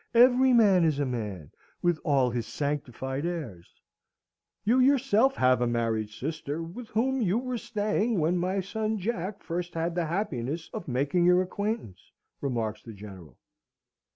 Every man is a man, with all his sanctified airs!" "You yourself have a married sister, with whom you were staying when my son Jack first had the happiness of making your acquaintance?" remarks the General.